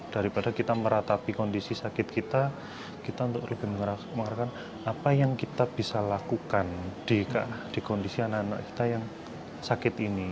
daripada kita meratapi kondisi sakit kita kita untuk lebih mengarahkan apa yang kita bisa lakukan di kondisi anak anak kita yang sakit ini